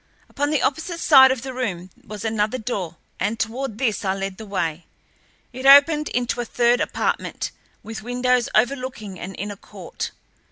Upon the opposite side of the room was another door, and toward this I led the way. It opened into a third apartment with windows overlooking an inner court.